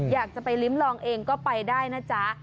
อยากจะไปลิ้มลองเองก็ไปได้นะจ๊ะ